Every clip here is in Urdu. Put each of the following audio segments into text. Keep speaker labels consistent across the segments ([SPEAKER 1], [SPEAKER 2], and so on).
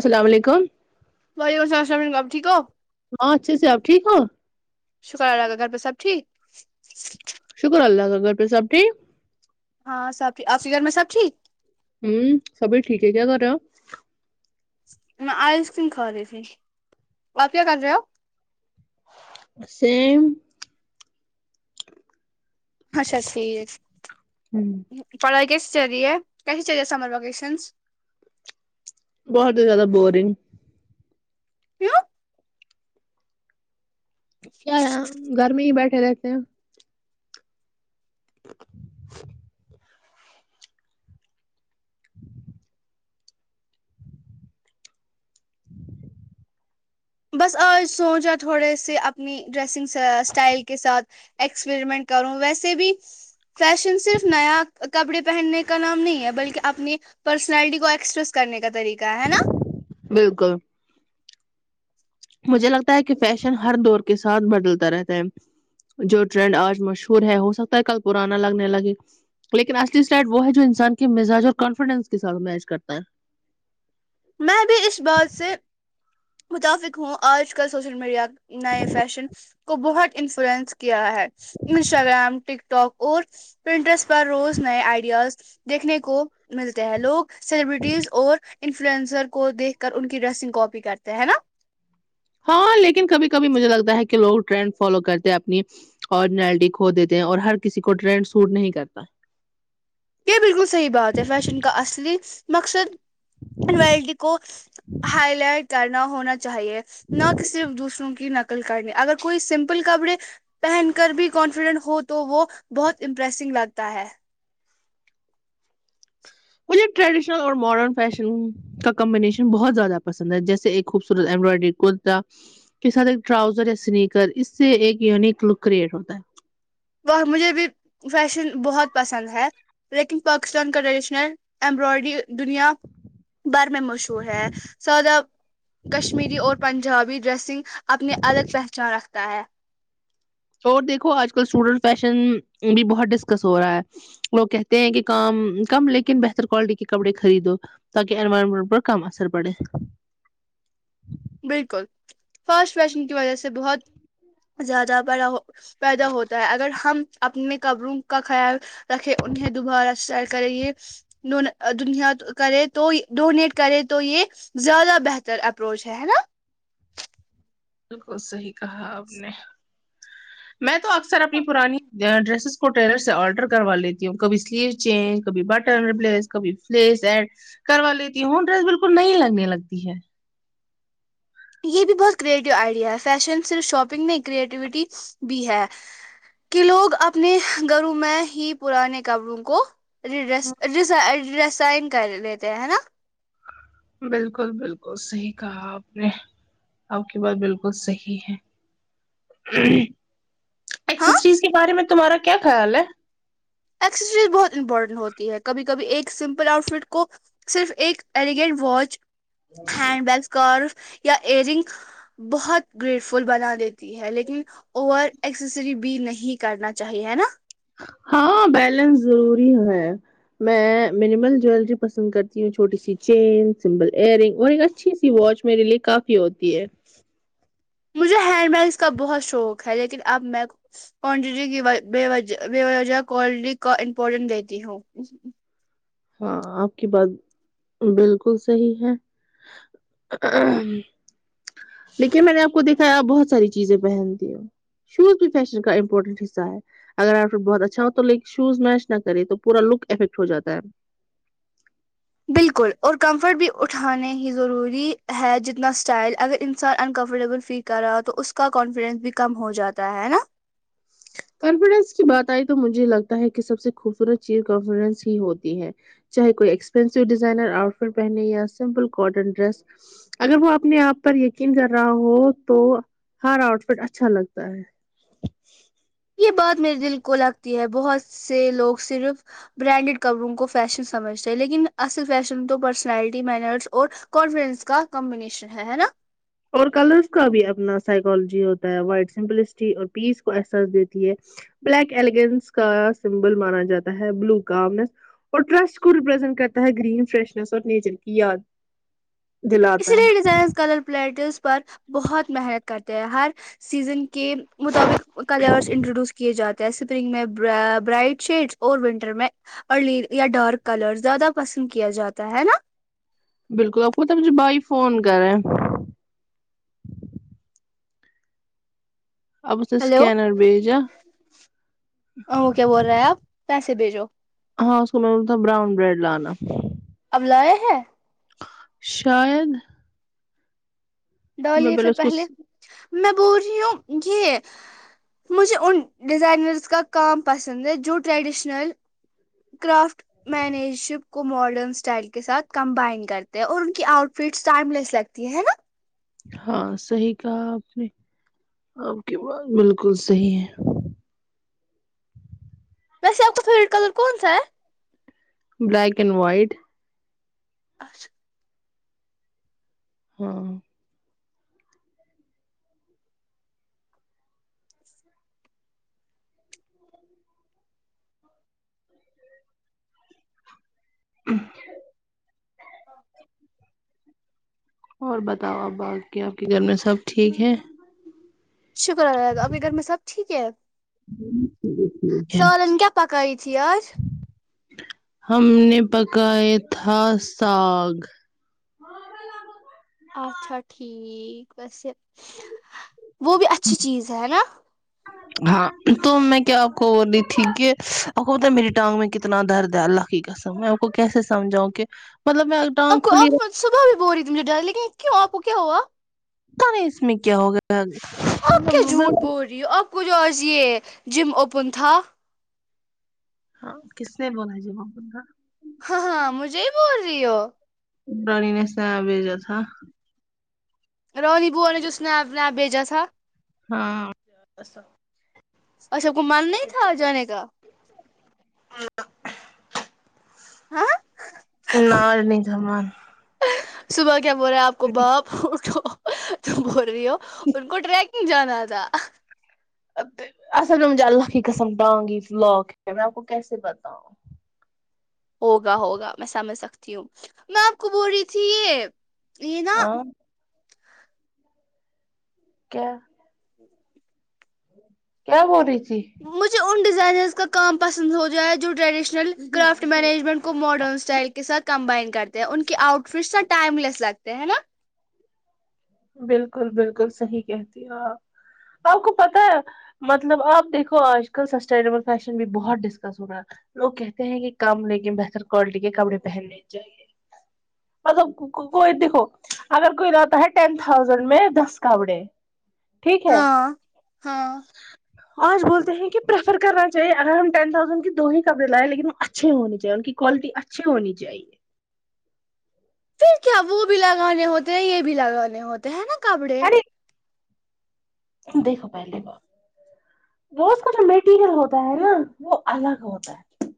[SPEAKER 1] السلام علیکم
[SPEAKER 2] توئی گ سر س م کب ٹھیک ہو [unintelligible]
[SPEAKER 1] ہاں اچھےسے آپ ٹھیک ہو
[SPEAKER 2] شکر اللہ کا گھر پہ سب ٹھیک
[SPEAKER 1] شکر اللہ کا گر پے سب ٹھیک
[SPEAKER 2] ہاں سب آپ گر میں سب ٹھیک
[SPEAKER 1] ہمم سبھی ٹھیک ہے کیا کر رے ہو
[SPEAKER 2] میں آئس کریم کھا رہی تھی آپ کیا کر رہے ہو
[SPEAKER 1] سیم
[SPEAKER 2] اچھا ٹھیک
[SPEAKER 1] ہمم
[SPEAKER 2] پڑھائی کیسی چر ری ہے کیسیے چررے سمر ویکیشنس
[SPEAKER 1] بہت زیادہ بورنگ
[SPEAKER 2] کیوں
[SPEAKER 1] کیا یا گر میں ہی بیٹھے رہتے ہیں [inaudible]
[SPEAKER 2] بس آج سوچا تھوڑے سے اپنی ڈریسنگ اسٹائل کے ساتھ ایکسپریمنٹ کروں ویسے بھی فیشن صرف نیا کپڑے پہننے کا نام نہیں ہے بلکی اپنی پرسنالٹی کو ایکسپریس کرنے کا طریقہ ہے نا
[SPEAKER 1] بالکل مجھے لگتا ہے کی فیشن ہر دور کے ساتھ بدلتا رہتا ہے جو ٹرینڈ آج مشہور ہے ہو سکتا ہے کل پرانا لگنے لگے لیکن آسلی اسٹائٹ وہ ہے جو انسان کے مزاج اور کانفیڈینس کے ساتھ میچ کرتا ہے
[SPEAKER 2] میں بھی اس بات سے متفق ہوں آج کل سوشل میڈیا نئے فیشن کو بہت انفلوئنس کیا ہے انسٹاگرام ٹک ٹاک اور پرنٹرس پر روز نئے آئیڈیاز دیکھنے کو ملتے ہیں لوگ سیلیبریٹیز اور ان فلوئنسر کو دیکھ کر ان کی ڈریسنگ کوپی کرتے ہیں ہے نا
[SPEAKER 1] ہاں لیکن کبھی کبھی مجھے لگتا ہے کی لوگ ٹرینڈ فالو کرتے ہیں اپنی اور نلڈی کھو دیتے ہیں اور ہر کسی کو ٹرینڈ سوٹ نہیں کرتا
[SPEAKER 2] یے بالکل صحیح بات ہے فیشن کا اصلی مقصد ٹی کو ہائی لائٹ کرنا ہونا چاہ چاہیے نہ کی صرف دوسروں کی نقل کرنی اگر کوئی سمپل کپڑے پہن کر بھی کانفیڈنٹ ہو تو وہ بہت امپریسنگ لگتا ہے
[SPEAKER 1] مجھے ٹریڈیشنل اور ماڈرن فیشن کا کمبینیشن بہت زیادہ پسند ہے جیسے ایک خوبصورت امبرائڈری کرتا کے ساتھ ایک ٹراؤزر یا سنییکر اس سے ایک یونیک لوک کریئٹ ہوتا ہے
[SPEAKER 2] وہ مجھے بھی فیشن بہت پسند ہے لکین پاکستان کا ٹریڈیشنل ایمبرائڈری دنیا بر میں مشہور ہے سود ا کشمیری اور پنجابی ڈریسنگ اپنی الگ پہچان رکھتا ہے
[SPEAKER 1] اور دیکھو آج کل اسٹوڈینٹ فیشن بھی بہت ڈسکس ہو رہا ہے لوگ کہتے ہیں کی کام کم لیکن بہتر کوالٹی کے کپڑے خریدو تاکے انوائرمنٹ پر کم اثر پڑے
[SPEAKER 2] بالکل فرسٹ فیشن کی وجے سے بہت زیادہ بڑا ہو پیدا ہوتا ہے اگر ہم اپنے قبروں کا خیال رکھے انہیں دوبارہ سٹائل کرے یے دنیا کرے تو ڈونیٹ کرے تو یے زیادہ بہتر اپروچ ہے ہے نا
[SPEAKER 1] بالکل صحیح کہا آپ نے
[SPEAKER 2] [inaudible]
[SPEAKER 1] میں تو اکثر اپنی پرانی ڈریسز کو ٹیلر سے اولٹرل کروا لیتی ہوں کبی اس لیے چینج کبھی بٹن ریپلیس کبھی فلیس ایڈ کروا لیتی ہے ہوں ڈریس بالکل نئی لگنے لگتی ہے
[SPEAKER 2] یہ بھی بہت کریٹو آئیڈیا ہے فیشن صرف شاپنگ نہیں کریٹیوٹی بھی ہے کہ لوگ اپنے گھروں میں ہی پرانے کپڑوں کو رڈریسڈریس سائن کر لیتے ہے نا
[SPEAKER 1] بالکل بالکل صحیح کہا آپ نے آپ کی بات بالکل صحیع ہے
[SPEAKER 2] ہاں
[SPEAKER 1] ایکسیسریز کے بارے میں تمہارا کیا خیال ہے
[SPEAKER 2] ایکسرسائز بہت امپورارٹنٹ ہوتی ہے کبھی کبھی ایک سمپل آؤٹ فٹ کو صرف ایک elegant watch handbag scarf یا ایئر رنگ بہت گریٹ فل بنا دیتی ہے لیکن اور ایکسیسری بھی نہیں کرنا چاہیے ہے نا
[SPEAKER 1] ہاں بیلنس ضروری ہے میں منیمل جویلری پسند کرتی ہوں چھوٹی سی چین سمپل ایئر رنگ اور اچھی سی واچ میرے لیے کافی ہوتی ہے
[SPEAKER 2] مجھے ہینڈ بیگز کا بہت شوق ہے لیکن اب میں کوانٹٹی کی وبے وجہ کوالٹی کا امپورٹنس دیتی ہوں
[SPEAKER 1] ہاں آپ کی بات بالکل صحیح ہے آہا ہ ہ لیکن میں نے آپ کو دیکھا ہے بہت ساری چیزیں پہنتی ہے شوز بھی فیشن کا امپورٹنٹ حصہ ہے اگر آ وٹ فٹ بہت اچھا ہو تو لیکن شوز میش نہ کرے تو پورا لک افیکٹ ہو جاتا ہے
[SPEAKER 2] بالکل اور کمفرٹ بھی اتنا ہی ضروری ہے جتنا اسٹائل اگر انسان انکمفرٹیبل فیل کرا تو اس کا کانفیڈینس بھی کم ہو جاتا ہے نا
[SPEAKER 1] کانفیڈینس کی بات آئی تو مجھے لگتا ہے کہ سب سے خوبصورت چیز کانفیڈنس ہی ہوتی ہے چاہے کوئی ایکسپینسو ڈیزائنر آؤٹ فٹ پہنے یا سمپل کاٹن ڈریس اگر وہ اپنے آپ پر یقین کر رہا ہو تو ہر آؤٹ فٹ اچھا لگتا ہے
[SPEAKER 2] یہ بات میرے دل کو لگتی ہے بہت سے لوگ صرف برانڈیڈ کپڑوں کو فیشن سمجھتے ہیں لیکن اصل فیشن تو پرسنالٹی مینرس اور کانفڈنس کا کمبینیشن ہے ہے نا
[SPEAKER 1] اور کلرس کا بھی اپنا سائیکالوجی ہوتا ہے وائٹ سمپلسٹی اور پیس کو احساس دیتی ہے بلیک ایلیگینس کا سمبل مانا جاتا ہے بلو کامنس اور ٹرسٹ کو ریپرزینٹ کرتا ہے گرین فریشنس اور نیچر کی یاد
[SPEAKER 2] اسی
[SPEAKER 1] دلاتا ہے
[SPEAKER 2] لیے ڈیزائن کلر پلیٹس پر بہت محنت کرتے ہیں ہر سیزن کے مطابق کلر انٹروڈیوس کیے جاتے ہیں اسپرنگ میں برا برائٹ شیڈس اور ونٹر میں اورلی یا ڈارک کلر زیادہ پسند کیا جاتا ہے ہےنا
[SPEAKER 1] بالکل آپ کو پتہ ہے مجھے بھائی فون کرے اب اسے
[SPEAKER 2] ہیلو
[SPEAKER 1] اسکینر بھیجا
[SPEAKER 2] وہ کیا بول رہے ہے آپ پیسے بھیجو
[SPEAKER 1] ہاں اس کو میں نے بولا تھا براؤن بریڈ لانا
[SPEAKER 2] اب لائے ہے
[SPEAKER 1] شاید میں
[SPEAKER 2] ڈالیے پھر
[SPEAKER 1] اس
[SPEAKER 2] پہلے
[SPEAKER 1] کو
[SPEAKER 2] میں بول رہی ہوں یہ مجھے ان ڈیزائنرس کا کام پسند ہے جو ٹریڈیشنل کرافٹ مینج کو ماڈرن اسٹائل کے ساتھ کمبائن کرتے ہیں اور ان کی آؤٹ فٹس ٹائملیس لگ تی ہے نا
[SPEAKER 1] ہاں صحیح کہا آپ نے آپ کے بات بالکل صحیح ہے
[SPEAKER 2] ویسے آپ کا فیوریٹ کلر کون سا ہے
[SPEAKER 1] بلیک اینڈ وائٹ
[SPEAKER 2] اچھا
[SPEAKER 1] ہاں اور بتاؤ ابا کے آپ کے گھر میں سب ٹھیک ہیں
[SPEAKER 2] شکر اللہ آپ کے گھر میں سب ٹھیک ہے سالن کیا پکائی تھی آج
[SPEAKER 1] [unintelligible] ہم نے پکایا تھا ساگ
[SPEAKER 2] اچھا ٹھیک ویسے وہ بھی اچھی چیز ہے نا
[SPEAKER 1] ہاں تو میں کیا آپ کو بول رہی تھی کہ آپ کو پتا میری ٹانگ میں کتنا درد ہے اللہ س [unintelligible] میں اپ کو کیسے سمجاؤں کہ مطلب میں ٹانگ
[SPEAKER 2] آپ کو
[SPEAKER 1] کھلی
[SPEAKER 2] آپ
[SPEAKER 1] رہتی،
[SPEAKER 2] صبح بھی بول رہی تھی مجھے ڈر لیکن کیوں آپ کو کیا ہوا
[SPEAKER 1] پت نہیں اس میں کیا ہوگا
[SPEAKER 2] جیو آپ کو جو آج یہ جم اوپن تھا
[SPEAKER 1] ہاں کس نے بولا جی [unintelligible] ب کا
[SPEAKER 2] ہاں ہاں مجھے ہی بول رہی ہو
[SPEAKER 1] دانی نے ساگ بھیجا تھا
[SPEAKER 2] [unintelligible]
[SPEAKER 1] ہاں
[SPEAKER 2] اور سب کو من نہیں تھا جانے کا
[SPEAKER 1] ہمم
[SPEAKER 2] ہاں
[SPEAKER 1] [unintelligible]
[SPEAKER 2] صبح کیا بول رہا ہے آپ کو باپ اٹھو تم بول رہی ہو ان کو ٹریک [unintelligible]
[SPEAKER 1] اصل میں مجھے اللہ کی قسم ٹانگی لاک میں آپ کو کیسے پتاؤں
[SPEAKER 2] ہوگا ہوگا میں سمجھ سکتی ہوں میں آپ کو بول رہی تھی یہ یہ نا
[SPEAKER 1] ہاں کیا کیا بول رہی تھی
[SPEAKER 2] مجھے ان ڈیزائنر کا کام پسند ہو جائے ہے جو ٹریڈیشنل کرافٹ مینجمنٹ کو ماڈرن اسٹائل کے ساتھ کمبائن کرتے ہیں ان کے آؤٹ فٹس س ٹائم لیس لگتے ہیں ہے نا
[SPEAKER 1] بالکل بالکل صحیح کہتی ہے آپ آپ کو پتہ ہے مطلب آپ دیکھو آج کل سسٹینیبل فیشن بھی بہت ڈسکس ہو رہا ہے لوگ کہتے ہیں کہ کم لیکن بہتر کوالٹی کے کپڑے پہننے چاہیے مطلب کوئی دیکھو اگر کوئی رہتا ہے ٹین تھاؤزینڈ میں دس کپڑے ٹھیک ہے
[SPEAKER 2] ہاں ہاں
[SPEAKER 1] آج بولتے ہیں کہ پرفر کرنا چاہیے اگر ہم ٹین تھاؤزینڈ کی دو ہی کپڑے لائے لیکن وہ اچھے ہونے چاہیے ان کی کوالٹی اچھی ہونی چاہیے
[SPEAKER 2] پھر کیا وہ بھی لگانے ہوتے ہیں یہ بھی لگانے ہوتے ہیں نا کپڑے
[SPEAKER 1] ارے دیکھو پہلے با رز کا جو میٹیریل ہوتا ہے نا وہ الگ ہوتا ہے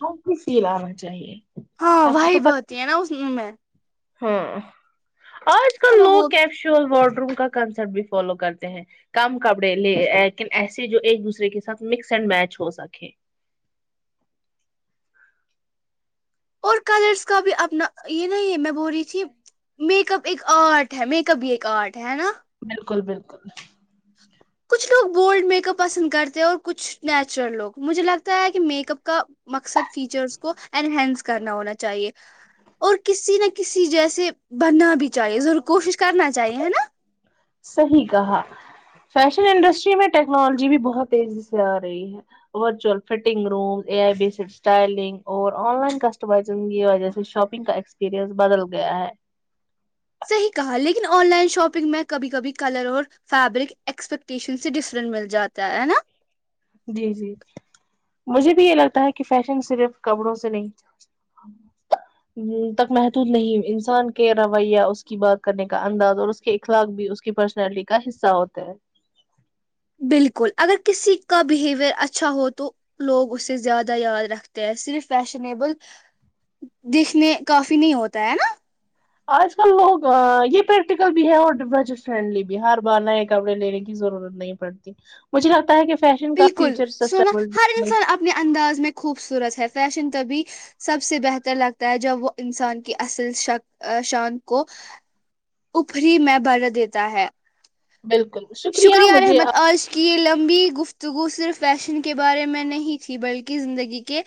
[SPEAKER 1] ہم کی فیل آنا چاہیے
[SPEAKER 2] ہاں
[SPEAKER 1] آپ کو
[SPEAKER 2] وہی
[SPEAKER 1] تو
[SPEAKER 2] بہتی ہے نا اس
[SPEAKER 1] ہاں آج
[SPEAKER 2] چلو وہ
[SPEAKER 1] شول وارڈ روم کا کنسرٹ بھی فالو کرتے ہیں کم کپڑے لے لیکن ایسے جو ایک دوسرے کے ساتھ مکس اینڈ میچ ہو سکے
[SPEAKER 2] اور کلرس کا بھی اپنا یہ نا یہ میں بول رہی تھی میکپ ایک آرٹ ہے میک اپ بھی ایک آرٹ ہے ہے نا
[SPEAKER 1] بالکل بالکل
[SPEAKER 2] کچھ لوگ بولڈ میک اپ پسند کرتے ہیں اور کچھ نیچرل لوگ مجھے لگتا ہے کہ میک اپ کا مقصد فیچرس کو انہنس کرنا ہونا چاہیے اور کسی نہ کسی جیسے بننا بھی چاہیے ضرور کوشش کرنا چاہیے ہے نا
[SPEAKER 1] صحیح کہا فیشن انڈسٹری میں ٹیکنالوجی بھی بہت تیزی سے آ رہی ہے virtual fitting room A I based styling اور آن لائن کسٹمائزنگ کی وجہ سے شاپ گ کا ایکسپیرنس بدل گیا ہے
[SPEAKER 2] صحیح کہا لیکن آن لائن شاپنگ میں کبھی کبھی کلر اور فیبرک ایکسپیکٹیشن سے ڈفرنٹ مل جاتا ہے نا
[SPEAKER 1] جی جی مجھے بھی یہ لگتا ہے کہ فیشن صرف کپڑوں سے نہیں ہ [unintelligible] تک محدود نہیں انسان کے رویہ اس کی بات کرنے کا انداز اور اخلاق بھی اس کی پرسنالٹی کا حصہ ہوتا ہیں
[SPEAKER 2] بالکل اگر کسی کا بہیویر اچھا ہو تو لوگ اسے زیادہ یاد رکھتے ہیں صرف فیشنیبل دیکھنے کافی نہیں ہوتا ہے نا
[SPEAKER 1] آج کل لوگ یہ پریکٹیکل بھی ہے اور بجٹ فرینڈلی بھی ہے ہر بار نئے کپڑے لینے کی ضرورت نہیں پڑتی مجھے لگتا ہے کہ فیشن کا
[SPEAKER 2] بالکل
[SPEAKER 1] فیوچر سسٹا
[SPEAKER 2] سونا ہر انسان انداز میں خوبصورت ہے فیشن تبھی سب سے بہتر لگتا ہے جب وہ انسان کی اصل شک شان کو اوپری میں بر دیتا ہے
[SPEAKER 1] بالکل
[SPEAKER 2] شکریہ
[SPEAKER 1] مجھے
[SPEAKER 2] رحمت
[SPEAKER 1] آپ
[SPEAKER 2] آج کہ یہ لمبی گفتگو صرف فیشن کے بارے میں نہیں تھی بلکہ زندگی کے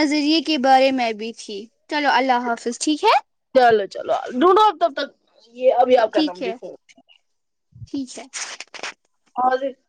[SPEAKER 2] نظریے کے بارے میں بھی تھی چلو اللہ حافظ ٹھیک ہے
[SPEAKER 1] چلو چلو ڈھونڈو تب تک یہ ابھی آپ کرنا
[SPEAKER 2] ٹھیک
[SPEAKER 1] مجھے
[SPEAKER 2] ہے
[SPEAKER 1] فون ٹھیک ہے
[SPEAKER 2] ٹھیک ہے
[SPEAKER 1] [unintelligible]